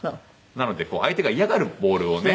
なので相手が嫌がるボールをね